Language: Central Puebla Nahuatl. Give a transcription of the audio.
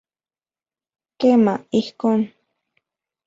Kema, ijkon.